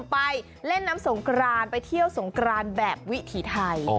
ไปเล่นน้ำสงกรานไปเที่ยวสงกรานแบบวิถีไทย